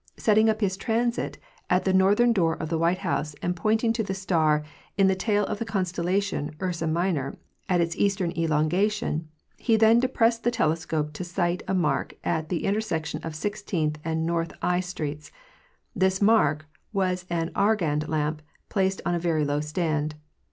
Setting up his transit at the northern door of the White House and pointing to the star "in the tail of the constellation Ursa Minor at its eastern elongation," he then depressed the telescope to sight a mark at the intersection of Sixteenth and north I streets. This mark was an Argand lamp placed on a very low stand.